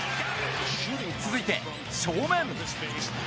続いて、正面！